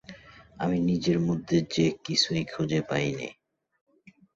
আমি নিজের মধ্যে যে কিছুই খুঁজে পাই নে।